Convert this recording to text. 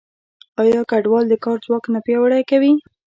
آیا کډوال د کار ځواک نه پیاوړی کوي؟